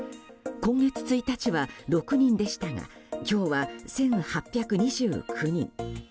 今月１日は、６人でしたが今日は１８２９人。